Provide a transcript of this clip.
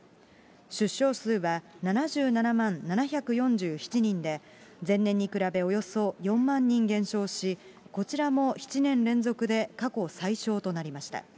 出生数は７７万７４７人で、前年に比べおよそ４万人減少し、こちらも７年連続で過去最少となりました。